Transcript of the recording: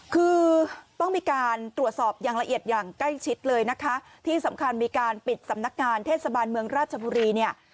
คือต้องมีการตรวจสอบอย่างละเอียดอย่างใกล้ชิดเลยนะคะที่สำคัญมีการปิดสำนักงานเทศบาลเมืองราชบุรีเนี่ย